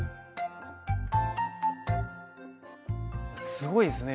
すごいですね